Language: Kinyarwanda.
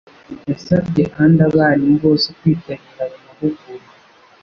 Yasabye kandi abarimu bose kwitabira ayo mahugurwa,